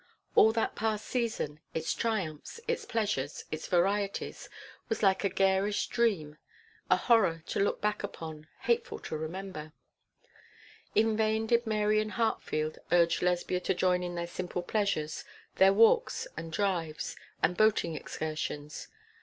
All that past season, its triumphs, its pleasures, its varieties, was like a garish dream, a horror to look back upon, hateful to remember. In vain did Mary and Hartfield urge Lesbia to join in their simple pleasures, their walks and rides and drives, and boating excursions.